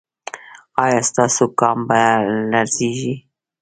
ایا ستاسو ګام به لړزیږي؟